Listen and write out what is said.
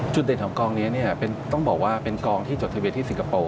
จุดเด่นของกองนี้ต้องบอกว่าเป็นกองที่จดทะเบียนที่สิงคโปร์